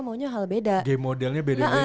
maunya hal beda game modelnya beda beda